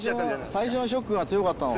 最初のショックが強かったのかな